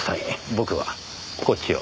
僕はこっちを。